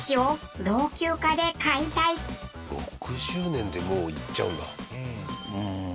６０年でもういっちゃうんだ。